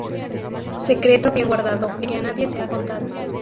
Secreto bien guardado, el que a nadie se ha contado